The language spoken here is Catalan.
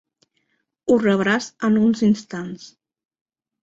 Ho rebràs en uns instants.